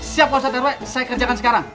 siap pak ustadz rw saya kerjakan sekarang